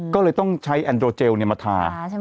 ก็เลยต้องใช้แอนโดเจลมาทา